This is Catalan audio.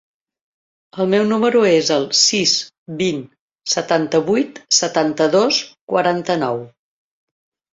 El meu número es el sis, vint, setanta-vuit, setanta-dos, quaranta-nou.